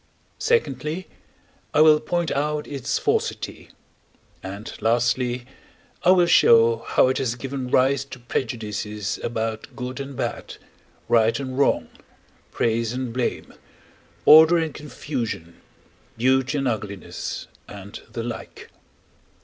secondly, I will point out its falsity; and, lastly, I will show how it has given rise to prejudices about good and bad, right and wrong, praise and blame, order and confusion, beauty and ugliness, and the like.